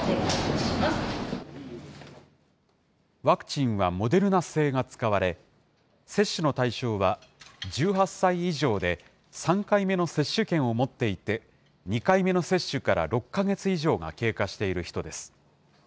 ワクチンはモデルナ製が使われ、接種の対象は、１８歳以上で３回目の接種券を持っていて、２回目の接種から６か月以上が経過している人です。